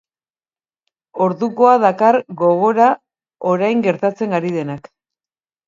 Ordukoa dakar gogora orain gertatzen ari denak.